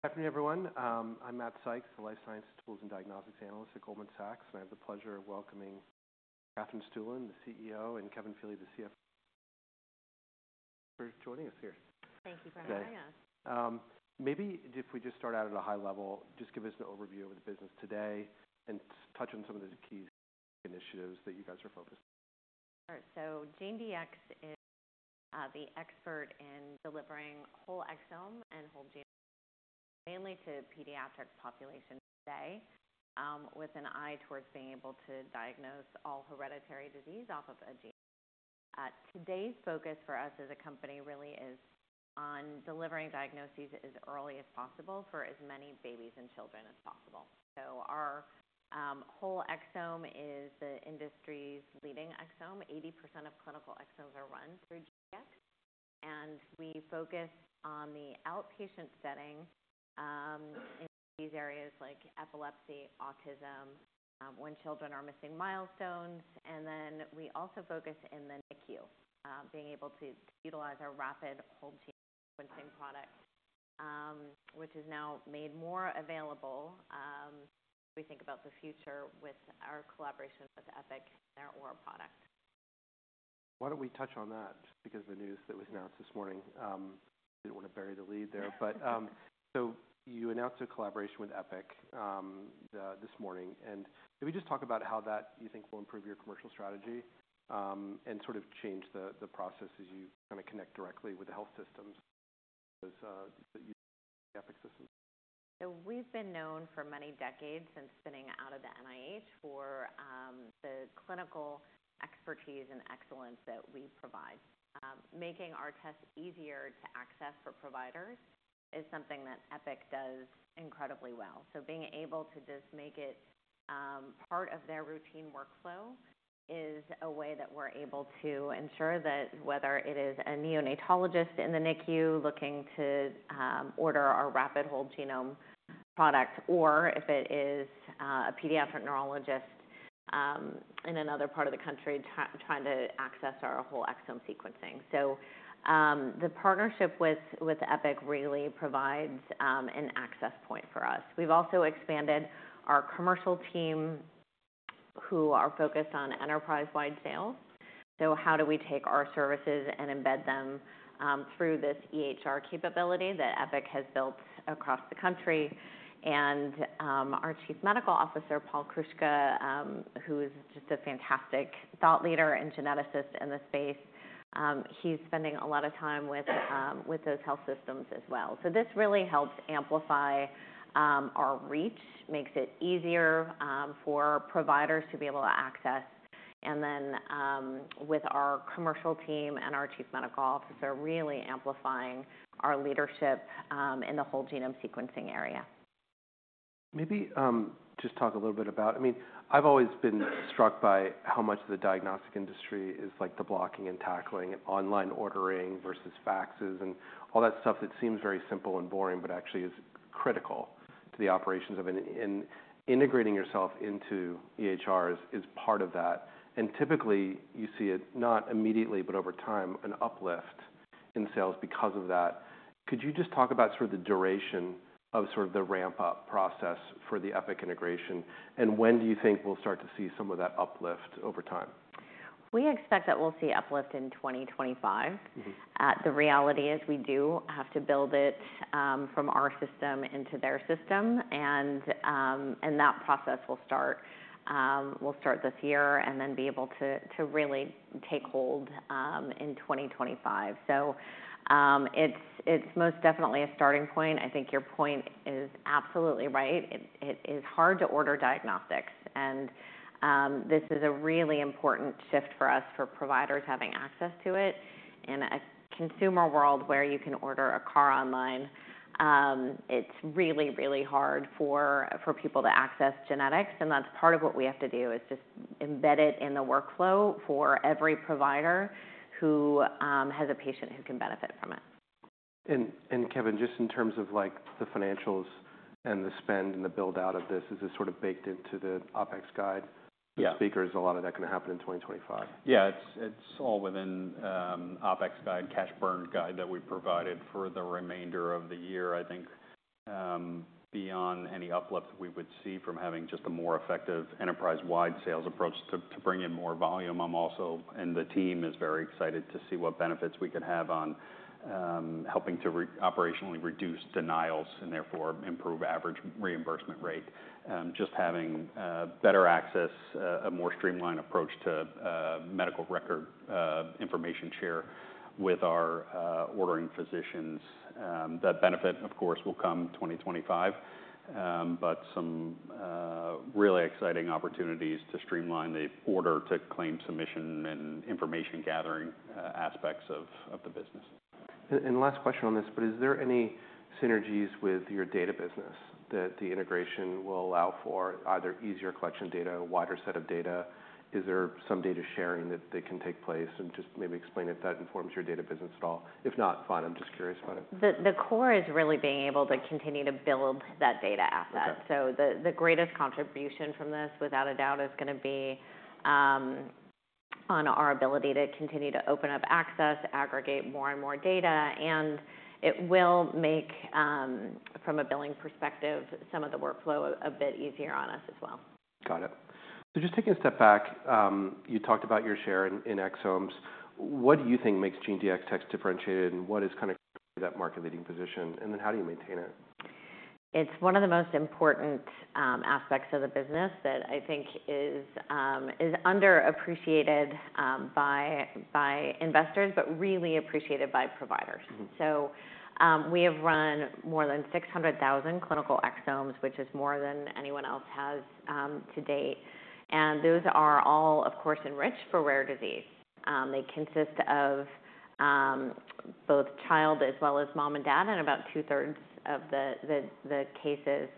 Good afternoon, everyone. I'm Matt Sykes, a life science tools and diagnostics analyst at Goldman Sachs, and I have the pleasure of welcoming Katherine Stueland, the CEO, and Kevin Feeley, the CFO, for joining us here. Thank you for having us. Okay. Maybe if we just start out at a high level, just give us an overview of the business today and touch on some of the key initiatives that you guys are focusing on. Sure. So GeneDx is the expert in delivering whole exome and whole genome, mainly to pediatric populations today, with an eye towards being able to diagnose all hereditary disease off of a genome. Today's focus for us as a company really is on delivering diagnoses as early as possible for as many babies and children as possible. So our whole exome is the industry's leading exome. 80% of clinical exomes are run through GeneDx, and we focus on the outpatient setting, in these areas like epilepsy, autism, when children are missing milestones. And then we also focus in the NICU, being able to utilize our rapid whole genome sequencing product, which is now made more available, as we think about the future with our collaboration with Epic and their Aura product. Why don't we touch on that? Because the news that was announced this morning didn't wanna bury the lead there. But so you announced a collaboration with Epic this morning. And maybe just talk about how that, you think, will improve your commercial strategy, and sort of change the process as you kinda connect directly with the health systems as that you Epic Systems. So we've been known for many decades, since spinning out of the NIH, for the clinical expertise and excellence that we provide. Making our tests easier to access for providers is something that Epic does incredibly well. So being able to just make it part of their routine workflow is a way that we're able to ensure that whether it is a neonatologist in the NICU looking to order our rapid whole genome product, or if it is a pediatric neurologist in another part of the country trying to access our whole exome sequencing. So the partnership with Epic really provides an access point for us. We've also expanded our commercial team, who are focused on enterprise-wide sales. So how do we take our services and embed them through this EHR capability that Epic has built across the country? Our Chief Medical Officer, Paul Kruszka, who is just a fantastic thought leader and geneticist in the space, he's spending a lot of time with, with those health systems as well. So this really helps amplify our reach, makes it easier for providers to be able to access. And then, with our commercial team and our Chief Medical Officer, really amplifying our leadership in the whole genome sequencing area. Maybe just talk a little bit about. I mean, I've always been struck by how much the diagnostic industry is like the blocking and tackling, online ordering versus faxes, and all that stuff that seems very simple and boring but actually is critical to the operations of and integrating yourself into EHRs is part of that. Typically, you see it, not immediately, but over time, an uplift in sales because of that. Could you just talk about sort of the duration of sort of the ramp-up process for the Epic integration, and when do you think we'll start to see some of that uplift over time? We expect that we'll see uplift in 2025. Mm-hmm. The reality is we do have to build it, from our system into their system, and that process will start this year and then be able to really take hold in 2025. So, it's most definitely a starting point. I think your point is absolutely right. It is hard to order diagnostics, and this is a really important shift for us for providers having access to it. In a consumer world where you can order a car online, it's really, really hard for people to access genetics. And that's part of what we have to do is just embed it in the workflow for every provider who has a patient who can benefit from it. And Kevin, just in terms of like the financials and the spend and the build-out of this, is this sort of baked into the OpEx guide? Yeah. Is a lot of that gonna happen in 2025? Yeah. It's all within OpEx guide, cash burn guide that we provided for the remainder of the year. I think, beyond any uplift that we would see from having just a more effective enterprise-wide sales approach to bring in more volume, I'm also, and the team is very excited to see what benefits we could have on helping to re-operationally reduce denials and therefore improve average reimbursement rate. Just having better access, a more streamlined approach to medical record information share with our ordering physicians. That benefit, of course, will come 2025, but some really exciting opportunities to streamline the order-to-claim submission and information gathering aspects of the business. And last question on this, but is there any synergies with your data business that the integration will allow for either easier collection data, a wider set of data? Is there some data sharing that can take place? And just maybe explain if that informs your data business at all. If not, fine. I'm just curious about it. The core is really being able to continue to build that data asset. Okay. So the greatest contribution from this, without a doubt, is gonna be on our ability to continue to open up access, aggregate more and more data, and it will make, from a billing perspective, some of the workflow a bit easier on us as well. Got it. So just taking a step back, you talked about your share in, in exomes. What do you think makes GeneDx's tech differentiated, and what is kinda that market-leading position? And then how do you maintain it? It's one of the most important aspects of the business that I think is underappreciated by investors but really appreciated by providers. Mm-hmm. So, we have run more than 600,000 clinical exomes, which is more than anyone else has, to date. And those are all, of course, enriched for rare disease. They consist of both child as well as mom and dad in about two-thirds of the cases.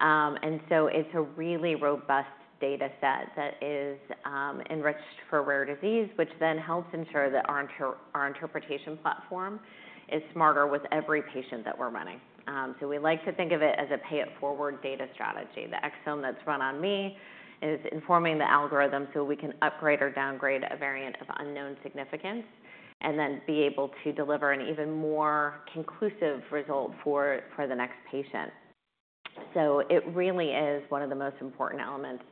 And so it's a really robust data set that is enriched for rare disease, which then helps ensure that our interpretation platform is smarter with every patient that we're running. So we like to think of it as a pay-it-forward data strategy. The exome that's run on me is informing the algorithm so we can upgrade or downgrade a variant of unknown significance and then be able to deliver an even more conclusive result for the next patient. So it really is one of the most important elements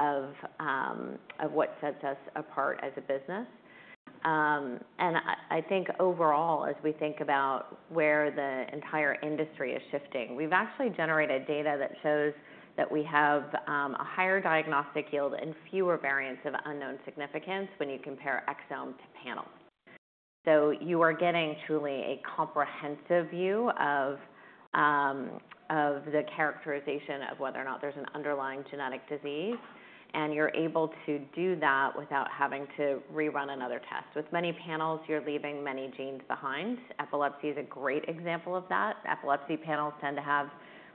of what sets us apart as a business. And I think overall, as we think about where the entire industry is shifting, we've actually generated data that shows that we have a higher diagnostic yield and fewer variants of unknown significance when you compare exome to panel. So you are getting truly a comprehensive view of the characterization of whether or not there's an underlying genetic disease, and you're able to do that without having to rerun another test. With many panels, you're leaving many genes behind. Epilepsy is a great example of that. Epilepsy panels tend to have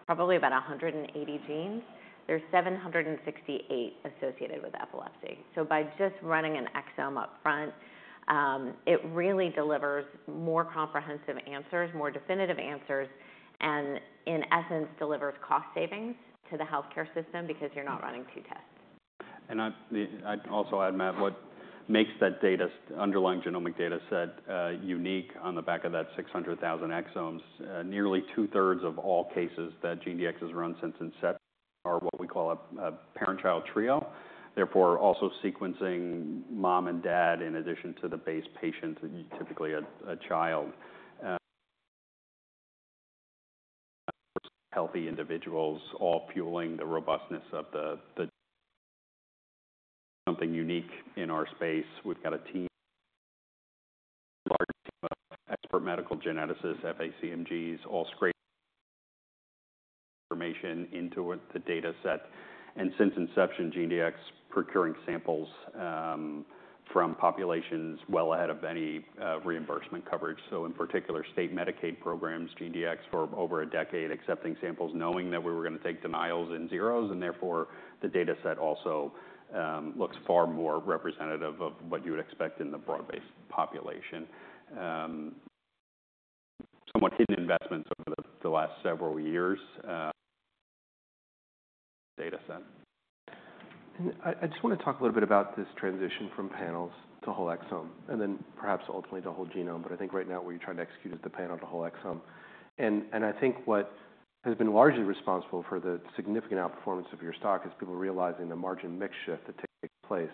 probably about 180 genes. There's 768 associated with epilepsy. So by just running an exome upfront, it really delivers more comprehensive answers, more definitive answers, and in essence, delivers cost savings to the healthcare system because you're not running two tests. And I'd, I'd also add, Matt, what makes that data underlying genomic data set unique on the back of that 600,000 exomes, nearly two-thirds of all cases that GeneDx has run since inception are what we call a parent-child trio, therefore also sequencing mom and dad in addition to the base patient, typically a child, healthy individuals, all fueling the robustness of the something unique in our space. We've got a team, a large team of expert medical geneticists, FACMGs, all scraping information into the data set. And since inception, GeneDx procuring samples from populations well ahead of any reimbursement coverage. So in particular, state Medicaid programs, GeneDx for over a decade accepting samples, knowing that we were gonna take denials and zeros, and therefore the data set also looks far more representative of what you would expect in the broad-based population. Somewhat hidden investments over the last several years, data set. And I just wanna talk a little bit about this transition from panels to whole exome and then perhaps ultimately to whole genome. But I think right now what you're trying to execute is the panel to whole exome. And I think what has been largely responsible for the significant outperformance of your stock is people realizing the margin mix shift that takes place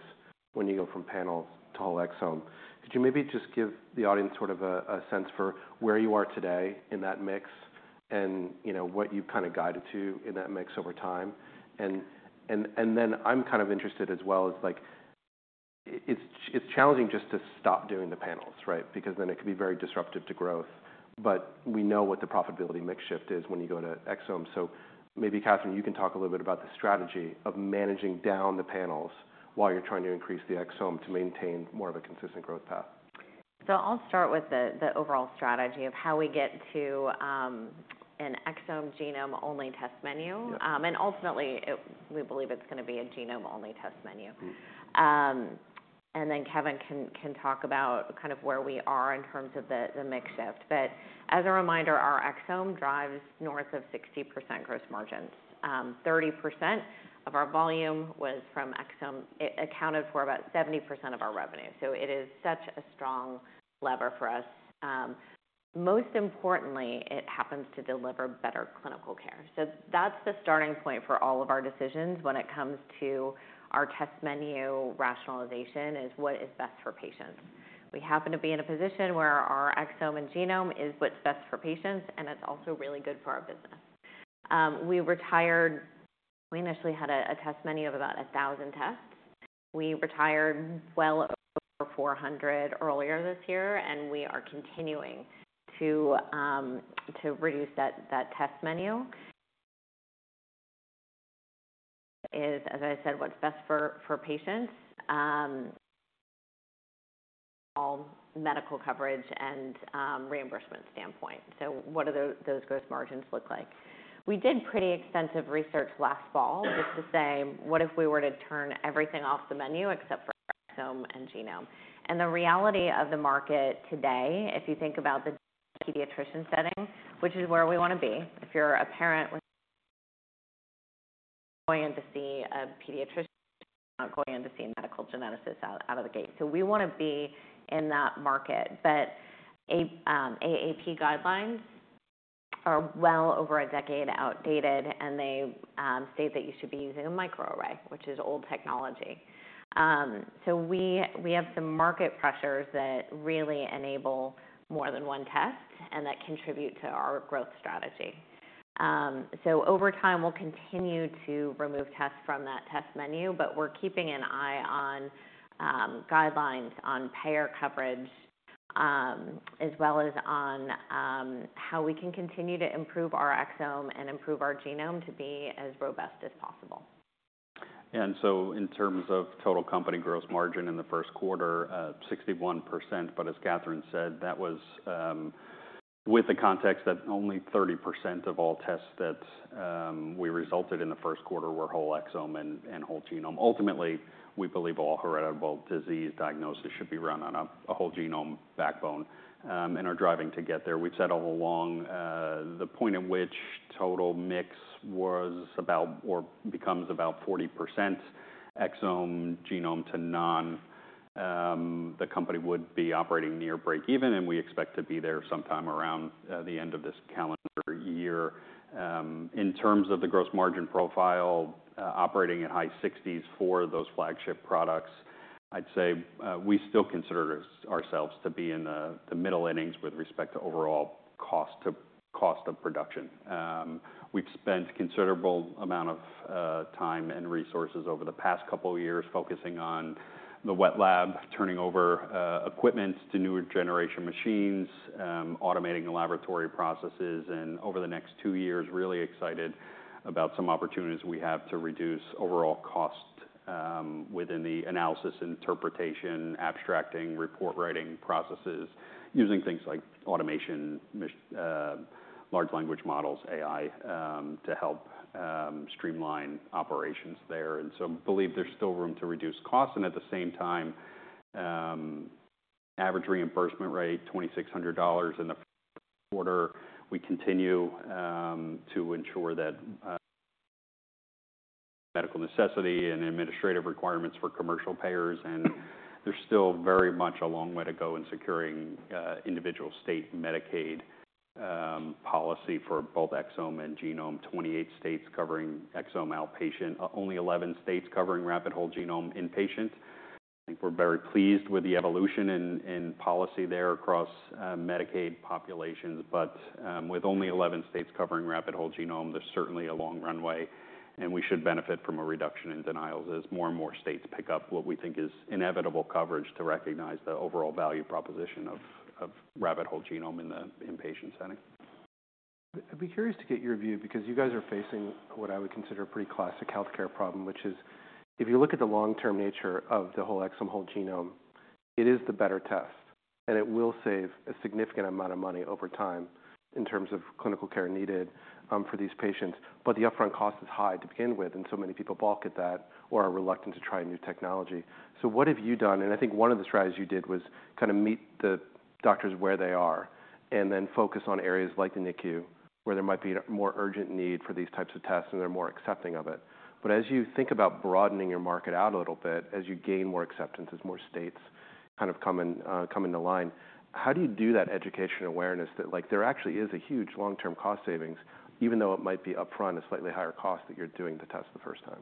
when you go from panels to whole exome. Could you maybe just give the audience sort of a sense for where you are today in that mix and, you know, what you've kinda guided to in that mix over time? And then I'm kind of interested as well as like it's challenging just to stop doing the panels, right? Because then it could be very disruptive to growth. But we know what the profitability mix shift is when you go to exome. So maybe, Katherine, you can talk a little bit about the strategy of managing down the panels while you're trying to increase the exome to maintain more of a consistent growth path. So I'll start with the overall strategy of how we get to an exome genome-only test menu. Yeah. Ultimately, we believe it's gonna be a genome-only test menu. Mm-hmm. Then Kevin can talk about kind of where we are in terms of the mix shift. But as a reminder, our exome drives north of 60% gross margins. 30% of our volume was from exome. It accounted for about 70% of our revenue. So it is such a strong lever for us. Most importantly, it happens to deliver better clinical care. So that's the starting point for all of our decisions when it comes to our test menu rationalization, is what is best for patients. We happen to be in a position where our exome and genome is what's best for patients, and it's also really good for our business. We initially had a test menu of about 1,000 tests. We retired well over 400 earlier this year, and we are continuing to reduce that test menu. is, as I said, what's best for patients, all medical coverage and reimbursement standpoint. So what do those gross margins look like? We did pretty extensive research last fall just to say, what if we were to turn everything off the menu except for exome and genome? And the reality of the market today, if you think about the pediatrician setting, which is where we wanna be, if you're a parent going in to see a pediatrician, not going in to see a medical geneticist out of the gate. So we wanna be in that market. But A, AAP guidelines are well over a decade outdated, and they state that you should be using a microarray, which is old technology. So we have some market pressures that really enable more than one test and that contribute to our growth strategy. So over time, we'll continue to remove tests from that test menu, but we're keeping an eye on guidelines on payer coverage, as well as on how we can continue to improve our exome and improve our genome to be as robust as possible. So in terms of total company gross margin in the first quarter, 61%. But as Katherine said, that was, with the context that only 30% of all tests that we resulted in the first quarter were whole exome and whole genome. Ultimately, we believe all heritable disease diagnosis should be run on a whole genome backbone, and are driving to get there. We've said all along, the point at which total mix was about or becomes about 40% exome genome to non, the company would be operating near break-even, and we expect to be there sometime around the end of this calendar year. In terms of the gross margin profile, operating at high 60s% for those flagship products, I'd say, we still consider ourselves to be in the middle innings with respect to overall cost to cost of production. We've spent a considerable amount of time and resources over the past couple of years focusing on the wet lab, turning over equipment to newer generation machines, automating the laboratory processes. Over the next 2 years, really excited about some opportunities we have to reduce overall cost within the analysis, interpretation, abstracting, report-writing processes, using things like automation, ML, large language models, AI, to help streamline operations there. So believe there's still room to reduce costs. At the same time, average reimbursement rate $2,600 in the order, we continue to ensure that medical necessity and administrative requirements for commercial payers. There's still very much a long way to go in securing individual state Medicaid policy for both exome and genome. 28 states covering exome outpatient, only 11 states covering rapid whole genome inpatient. I think we're very pleased with the evolution in, in policy there across, Medicaid populations. But, with only 11 states covering rapid whole genome, there's certainly a long runway, and we should benefit from a reduction in denials as more and more states pick up what we think is inevitable coverage to recognize the overall value proposition of, of rapid whole genome in the inpatient setting. I'd be curious to get your view because you guys are facing what I would consider a pretty classic healthcare problem, which is if you look at the long-term nature of the whole exome whole genome, it is the better test, and it will save a significant amount of money over time in terms of clinical care needed, for these patients. But the upfront cost is high to begin with, and so many people balk at that or are reluctant to try new technology. So what have you done? I think one of the strategies you did was kinda meet the doctors where they are and then focus on areas like the NICU where there might be more urgent need for these types of tests and they're more accepting of it. But as you think about broadening your market out a little bit, as you gain more acceptance as more states kind of come in, come into line, how do you do that education awareness that, like, there actually is a huge long-term cost savings, even though it might be upfront a slightly higher cost that you're doing the test the first time?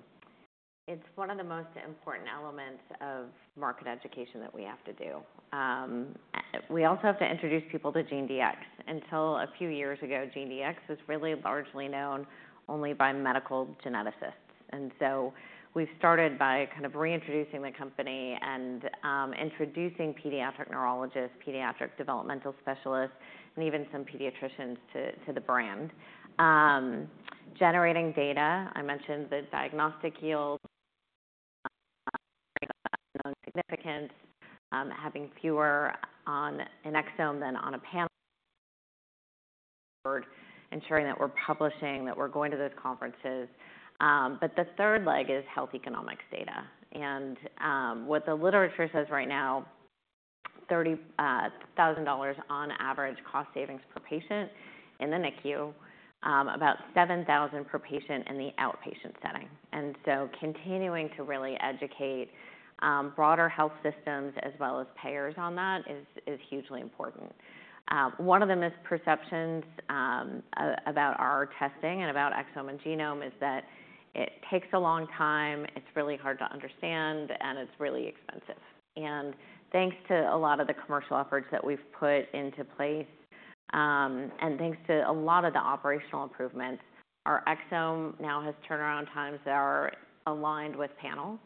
It's one of the most important elements of market education that we have to do. We also have to introduce people to GeneDx. Until a few years ago, GeneDx was really largely known only by medical geneticists. And so we've started by kind of reintroducing the company and introducing pediatric neurologists, pediatric developmental specialists, and even some pediatricians to the brand. Generating data. I mentioned the diagnostic yield, very low unknown significance, having fewer on an exome than on a panel, ensuring that we're publishing, that we're going to those conferences. But the third leg is health economics data. And what the literature says right now, $30,000 on average cost savings per patient in the NICU, about 7,000 per patient in the outpatient setting. And so continuing to really educate broader health systems as well as payers on that is hugely important. One of the misperceptions about our testing and about exome and genome is that it takes a long time, it's really hard to understand, and it's really expensive. And thanks to a lot of the commercial efforts that we've put into place, and thanks to a lot of the operational improvements, our exome now has turnaround times that are aligned with panels.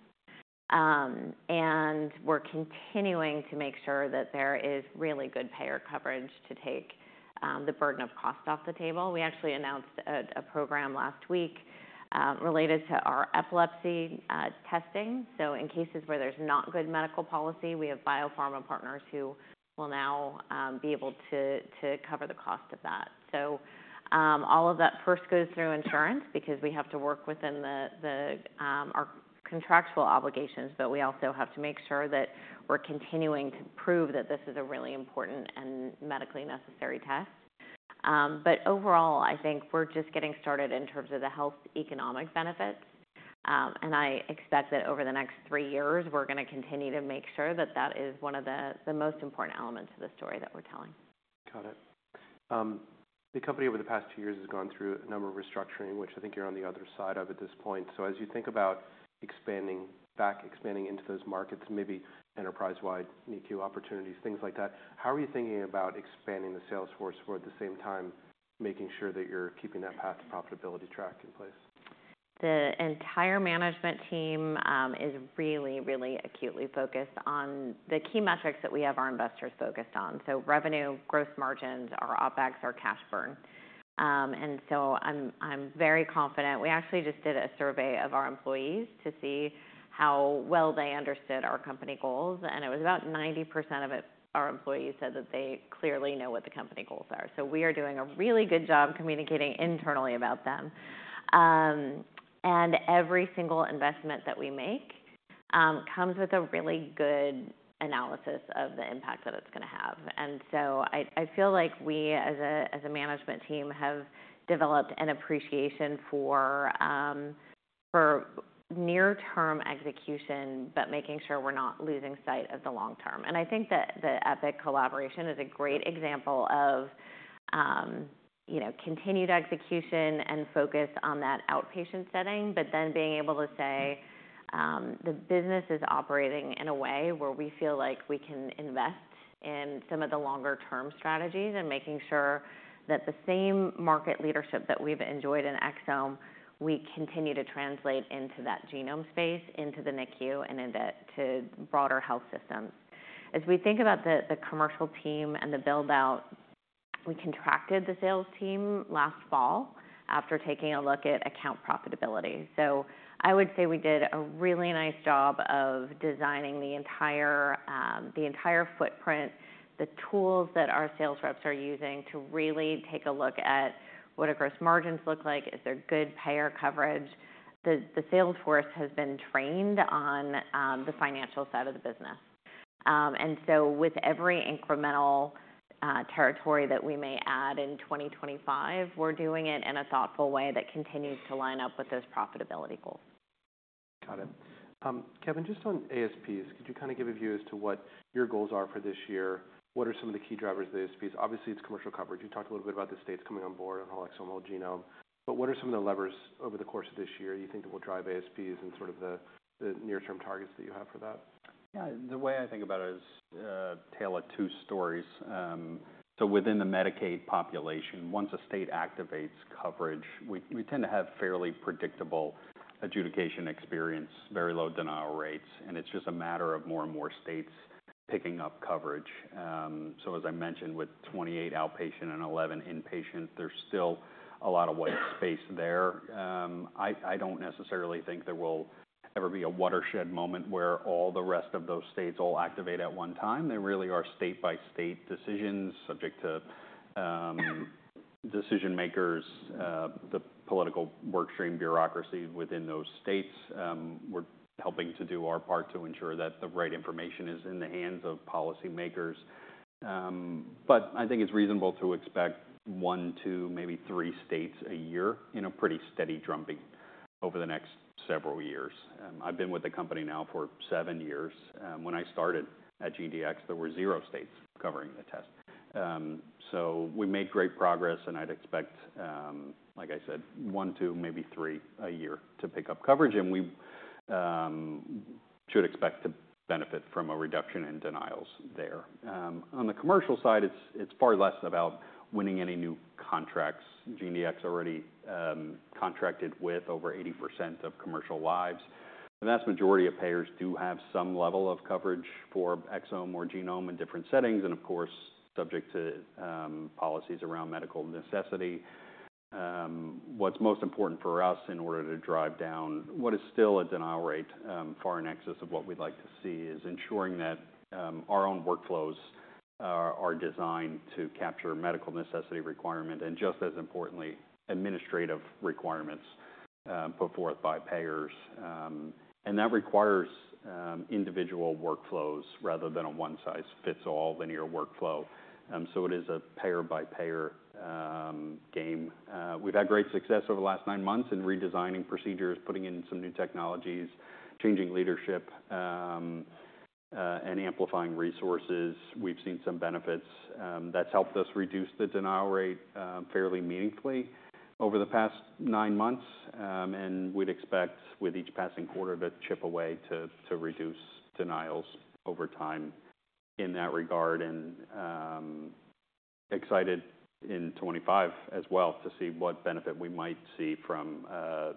And we're continuing to make sure that there is really good payer coverage to take the burden of cost off the table. We actually announced a program last week, related to our epilepsy testing. So in cases where there's not good medical policy, we have biopharma partners who will now be able to cover the cost of that. So, all of that first goes through insurance because we have to work within our contractual obligations, but we also have to make sure that we're continuing to prove that this is a really important and medically necessary test. But overall, I think we're just getting started in terms of the health economic benefits. And I expect that over the next three years, we're gonna continue to make sure that that is one of the most important elements of the story that we're telling. Got it. The company over the past two years has gone through a number of restructuring, which I think you're on the other side of at this point. So as you think about expanding back, expanding into those markets, maybe enterprise-wide NICU opportunities, things like that, how are you thinking about expanding the sales force for at the same time making sure that you're keeping that path to profitability track in place? The entire management team is really, really acutely focused on the key metrics that we have our investors focused on. So revenue, gross margins, our OpEx, our cash burn. And so I'm, I'm very confident. We actually just did a survey of our employees to see how well they understood our company goals. And it was about 90% of our employees said that they clearly know what the company goals are. So we are doing a really good job communicating internally about them. And every single investment that we make comes with a really good analysis of the impact that it's gonna have. And so I, I feel like we as a, as a management team have developed an appreciation for, for near-term execution, but making sure we're not losing sight of the long term. And I think that the Epic collaboration is a great example of, you know, continued execution and focus on that outpatient setting, but then being able to say, the business is operating in a way where we feel like we can invest in some of the longer-term strategies and making sure that the same market leadership that we've enjoyed in exome, we continue to translate into that genome space, into the NICU, and into broader health systems. As we think about the commercial team and the buildout, we contracted the sales team last fall after taking a look at account profitability. So I would say we did a really nice job of designing the entire footprint, the tools that our sales reps are using to really take a look at what do gross margins look like, is there good payer coverage. The sales force has been trained on the financial side of the business. And so with every incremental territory that we may add in 2025, we're doing it in a thoughtful way that continues to line up with those profitability goals. Got it. Kevin, just on ASPs, could you kinda give a view as to what your goals are for this year? What are some of the key drivers of the ASPs? Obviously, it's commercial coverage. You talked a little bit about the states coming on board on whole exome, whole genome. But what are some of the levers over the course of this year you think that will drive ASPs and sort of the near-term targets that you have for that? Yeah. The way I think about it is, tale of two stories. Within the Medicaid population, once a state activates coverage, we, we tend to have fairly predictable adjudication experience, very low denial rates, and it's just a matter of more and more states picking up coverage. As I mentioned, with 28 outpatient and 11 inpatient, there's still a lot of white space there. I, I don't necessarily think there will ever be a watershed moment where all the rest of those states all activate at one time. There really are state-by-state decisions subject to, decision makers, the political workstream bureaucracy within those states. We're helping to do our part to ensure that the right information is in the hands of policymakers. I think it's reasonable to expect 1, 2, maybe 3 states a year in a pretty steady drumming over the next several years. I've been with the company now for seven years. When I started at GeneDx, there were zero states covering the test. We made great progress, and I'd expect, like I said, one, two, maybe three a year to pick up coverage. We should expect to benefit from a reduction in denials there. On the commercial side, it's far less about winning any new contracts. GeneDx already contracted with over 80% of commercial lives. The vast majority of payers do have some level of coverage for exome or genome in different settings, and of course, subject to policies around medical necessity. What's most important for us in order to drive down what is still a denial rate, far in excess of what we'd like to see, is ensuring that our own workflows are designed to capture medical necessity requirement and, just as importantly, administrative requirements put forth by payers. That requires individual workflows rather than a one-size-fits-all linear workflow. It is a payer-by-payer game. We've had great success over the last nine months in redesigning procedures, putting in some new technologies, changing leadership, and amplifying resources. We've seen some benefits. That's helped us reduce the denial rate fairly meaningfully over the past nine months. We'd expect with each passing quarter to chip away to reduce denials over time in that regard. Excited in 2025 as well to see what benefit we might see from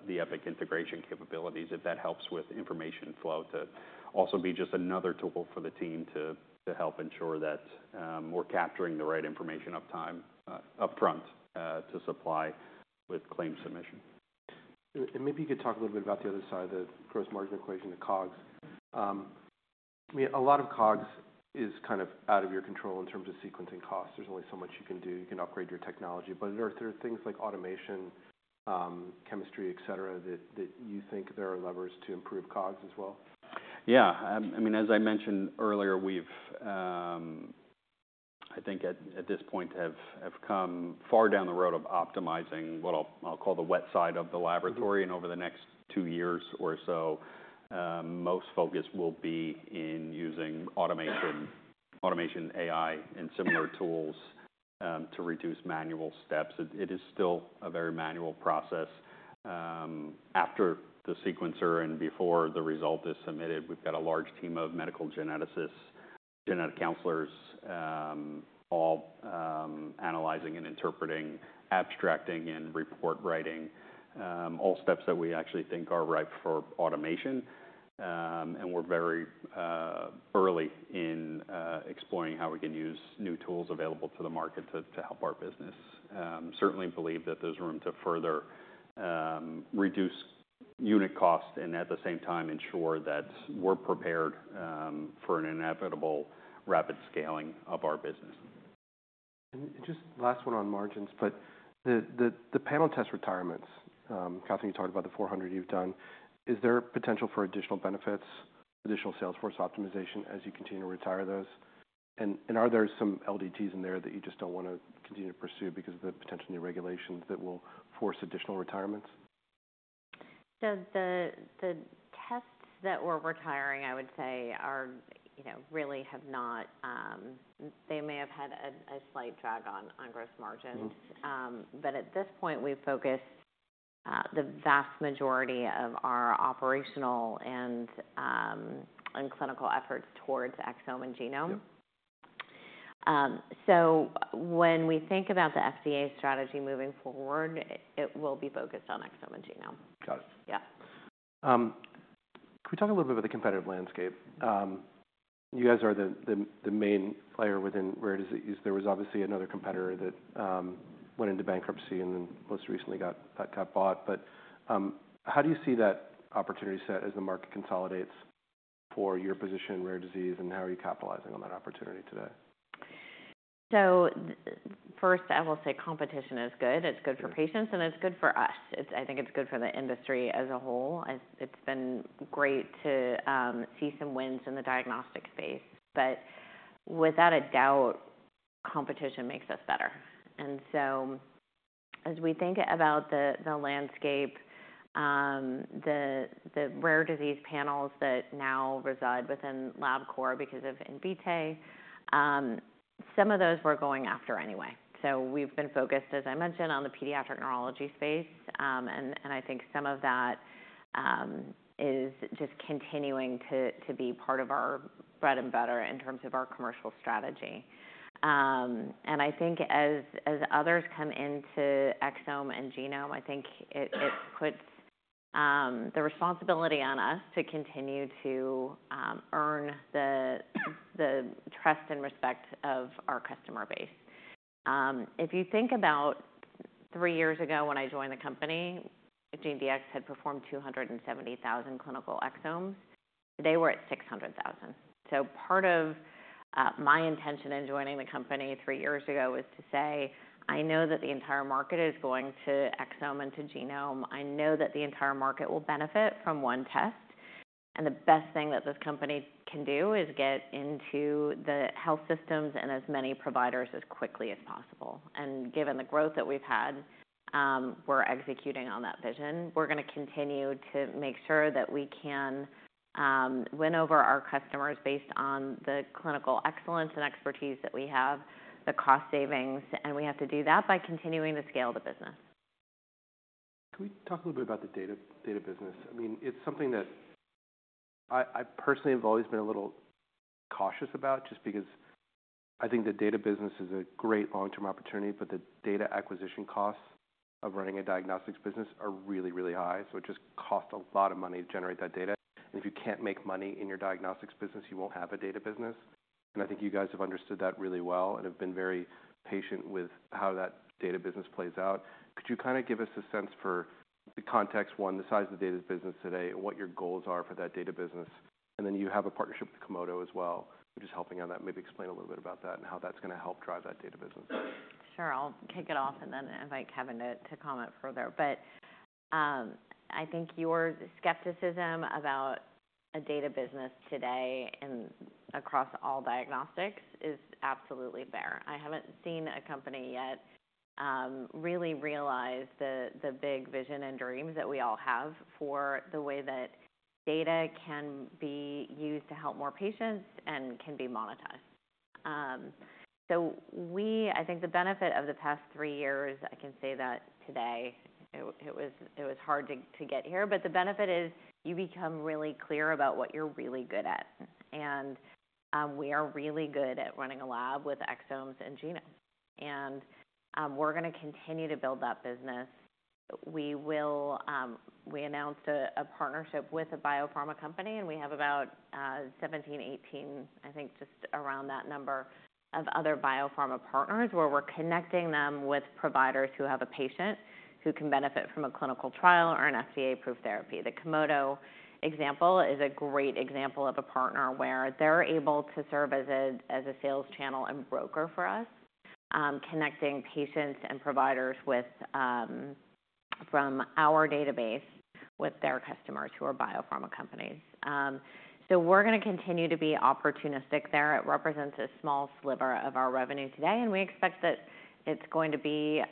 the Epic integration capabilities if that helps with information flow to also be just another tool for the team to help ensure that we're capturing the right information up front to supply with claim submission. Maybe you could talk a little bit about the other side of the gross margin equation, the COGS. I mean, a lot of COGS is kind of out of your control in terms of sequencing costs. There's only so much you can do. You can upgrade your technology. But are there things like automation, chemistry, et cetera, that you think there are levers to improve COGS as well? Yeah. I mean, as I mentioned earlier, I think at this point we've come far down the road of optimizing what I'll call the wet side of the laboratory. Over the next two years or so, most focus will be in using automation AI and similar tools to reduce manual steps. It is still a very manual process. After the sequencer and before the result is submitted, we've got a large team of medical geneticists, genetic counselors, all analyzing and interpreting, abstracting and report writing, all steps that we actually think are ripe for automation. We're very early in exploring how we can use new tools available to the market to help our business. Certainly, we believe that there's room to further reduce unit cost and at the same time ensure that we're prepared for an inevitable rapid scaling of our business. And just last one on margins, but the panel test retirements, Katherine, you talked about the 400 you've done. Is there potential for additional benefits, additional sales force optimization as you continue to retire those? And are there some LDTs in there that you just don't wanna continue to pursue because of the potential new regulations that will force additional retirements? So the tests that we're retiring, I would say, are, you know, really have not. They may have had a slight drag on gross margins. Mm-hmm. But at this point, we've focused the vast majority of our operational and clinical efforts towards exome and genome. Yep. When we think about the FDA strategy moving forward, it will be focused on exome and genome. Got it. Yeah. Can we talk a little bit about the competitive landscape? You guys are the main player within rare disease. There was obviously another competitor that went into bankruptcy and then most recently got bought. But how do you see that opportunity set as the market consolidates for your position in rare disease and how are you capitalizing on that opportunity today? So first, I will say competition is good. It's good for patients and it's good for us. It's, I think it's good for the industry as a whole. It's been great to see some wins in the diagnostic space. But without a doubt, competition makes us better. And so as we think about the landscape, the rare disease panels that now reside within Labcorp because of Invitae, some of those we're going after anyway. So we've been focused, as I mentioned, on the pediatric neurology space. And I think some of that is just continuing to be part of our bread and butter in terms of our commercial strategy. And I think as others come into exome and genome, I think it puts the responsibility on us to continue to earn the trust and respect of our customer base. If you think about three years ago when I joined the company, GeneDx had performed 270,000 clinical exomes. Today we're at 600,000. So part of, my intention in joining the company three years ago was to say, I know that the entire market is going to exome and to genome. I know that the entire market will benefit from one test. And the best thing that this company can do is get into the health systems and as many providers as quickly as possible. And given the growth that we've had, we're executing on that vision. We're gonna continue to make sure that we can, win over our customers based on the clinical excellence and expertise that we have, the cost savings, and we have to do that by continuing to scale the business. Can we talk a little bit about the data, data business? I mean, it's something that I, I personally have always been a little cautious about just because I think the data business is a great long-term opportunity, but the data acquisition costs of running a diagnostics business are really, really high. So it just costs a lot of money to generate that data. And if you can't make money in your diagnostics business, you won't have a data business. And I think you guys have understood that really well and have been very patient with how that data business plays out. Could you kinda give us a sense for the context, one, the size of the data business today, what your goals are for that data business? And then you have a partnership with Komodo as well, which is helping on that. Maybe explain a little bit about that and how that's gonna help drive that data business. Sure. I'll kick it off and then invite Kevin to comment further. But I think your skepticism about a data business today and across all diagnostics is absolutely there. I haven't seen a company yet really realize the big vision and dreams that we all have for the way that data can be used to help more patients and can be monetized. So we, I think the benefit of the past three years, I can say that today, it was hard to get here. But the benefit is you become really clear about what you're really good at. We are really good at running a lab with exomes and genome. We're gonna continue to build that business. We announced a partnership with a biopharma company, and we have about 17, 18, I think just around that number of other biopharma partners where we're connecting them with providers who have a patient who can benefit from a clinical trial or an FDA-approved therapy. The Komodo example is a great example of a partner where they're able to serve as a sales channel and broker for us, connecting patients and providers with, from our database with their customers who are biopharma companies. So we're gonna continue to be opportunistic there. It represents a small sliver of our revenue today, and we expect that it's going to be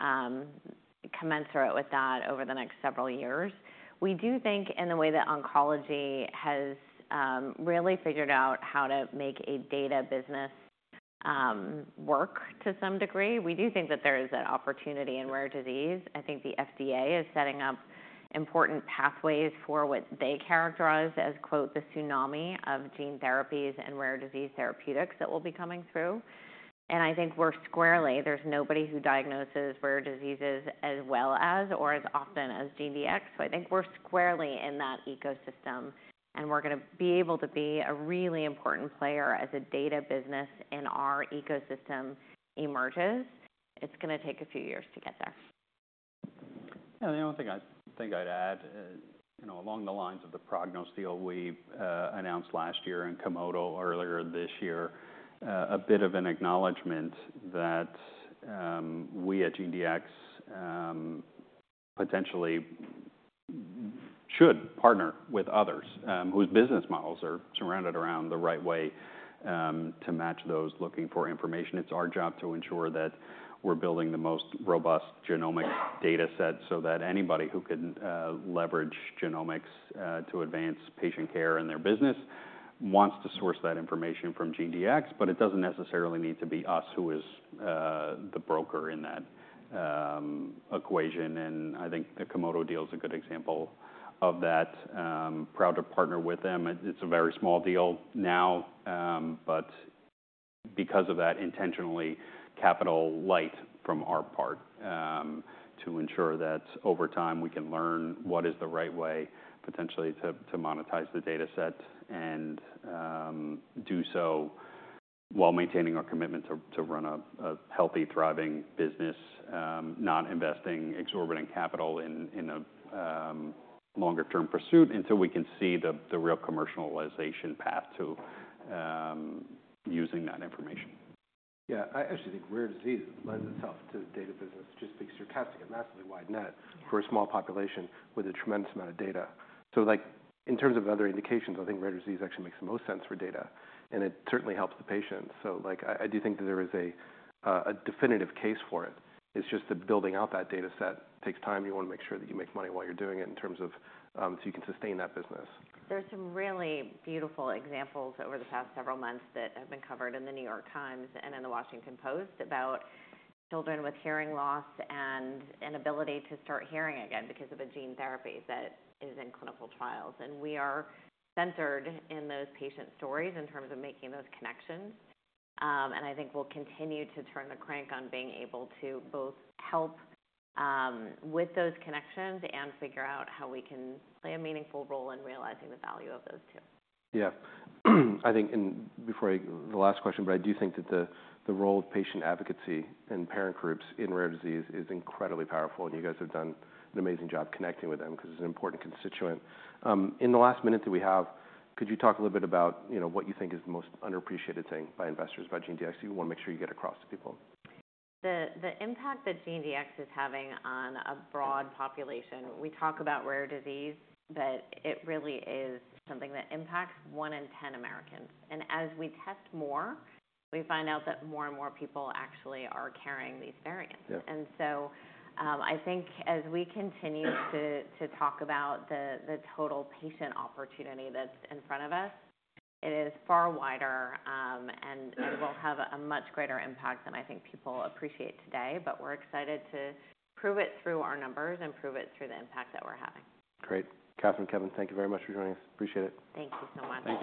commensurate with that over the next several years. We do think in the way that oncology has really figured out how to make a data business work to some degree. We do think that there is that opportunity in rare disease. I think the FDA is setting up important pathways for what they characterize as, quote, "the tsunami of gene therapies and rare disease therapeutics" that will be coming through. I think we're squarely. There's nobody who diagnoses rare diseases as well as or as often as GeneDx. I think we're squarely in that ecosystem, and we're gonna be able to be a really important player as a data business in our ecosystem emerges. It's gonna take a few years to get there. Yeah. The only thing I think I'd add, you know, along the lines of the Prognos deal we announced last year and Komodo earlier this year, a bit of an acknowledgement that we at GeneDx potentially should partner with others whose business models are surrounded around the right way to match those looking for information. It's our job to ensure that we're building the most robust genomic dataset so that anybody who can leverage genomics to advance patient care in their business wants to source that information from GeneDx, but it doesn't necessarily need to be us who is the broker in that equation. And I think the Komodo deal is a good example of that. Proud to partner with them. It's a very small deal now, but because of that, intentionally capital light from our part, to ensure that over time we can learn what is the right way potentially to monetize the dataset and do so while maintaining our commitment to run a healthy, thriving business, not investing exorbitant capital in a longer-term pursuit until we can see the real commercialization path to using that information. Yeah. I actually think rare disease lends itself to the data business just because you're casting a massively wide net for a small population with a tremendous amount of data. So like in terms of other indications, I think rare disease actually makes the most sense for data, and it certainly helps the patient. So like, I do think that there is a definitive case for it. It's just that building out that dataset takes time. You wanna make sure that you make money while you're doing it in terms of, so you can sustain that business. There's some really beautiful examples over the past several months that have been covered in The New York Times and in The Washington Post about children with hearing loss and an ability to start hearing again because of a gene therapy that is in clinical trials. We are centered in those patient stories in terms of making those connections. I think we'll continue to turn the crank on being able to both help, with those connections and figure out how we can play a meaningful role in realizing the value of those two. Yeah. I think, and before I the last question, but I do think that the, the role of patient advocacy and parent groups in rare disease is incredibly powerful, and you guys have done an amazing job connecting with them 'cause it's an important constituent. In the last minute that we have, could you talk a little bit about, you know, what you think is the most underappreciated thing by investors about GeneDx? You wanna make sure you get across to people. The impact that GeneDx is having on a broad population. We talk about rare disease, but it really is something that impacts one in 10 Americans. And as we test more, we find out that more and more people actually are carrying these variants. Yeah. So, I think as we continue to talk about the total patient opportunity that's in front of us, it is far wider, and we'll have a much greater impact than I think people appreciate today. But we're excited to prove it through our numbers and prove it through the impact that we're having. Great. Katherine, Kevin, thank you very much for joining us. Appreciate it. Thank you so much.